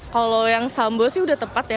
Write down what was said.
kalau yang sambo sih udah tepat ya